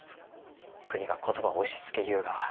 国が言葉を押しつけゆうがは。